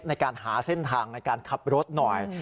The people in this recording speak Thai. ในการหาเส้นทางในการขับรถหน่อย